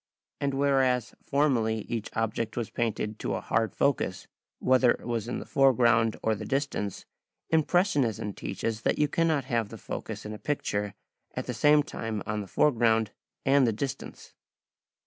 And whereas formerly each object was painted to a hard focus, whether it was in the foreground or the distance, impressionism teaches that you cannot have the focus in a picture at the same time on the foreground and the distance.